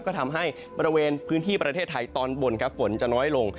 ก็ทำให้บริเวณพื้นที่ประเทศไทยตอนบนครับฝนจะน้อยลง